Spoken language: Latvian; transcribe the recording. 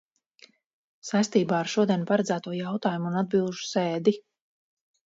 Saistībā ar šodien paredzēto jautājumu un atbilžu sēdi.